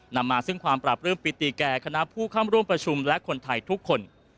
นำมาซึ่งความปราบรื้มปิติแก่คณะผู้เข้าร่วมประชุมและคนไทยทุกคน